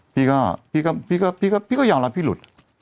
พี่ก็ยอมรับพี่หลุด